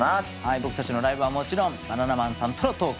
僕たちのライブはもちろんバナナマンさんとのトーク。